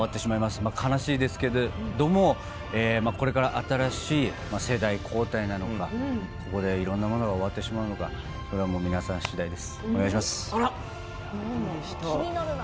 僕は悲しいですけどもこれから新しい世代交代なのかいろんなものが終わってしまうのか気になるな。